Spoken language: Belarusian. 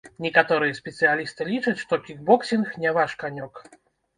Некаторыя спецыялісты лічаць, што кікбоксінг не ваш канёк.